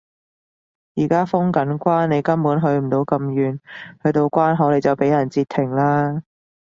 而家封緊關你根本去唔到咁遠，去到關口你就畀人截停啦